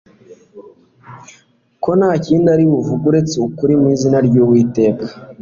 ko nta kindi ari buvuge uretse ukuri mu izina ryUwiteka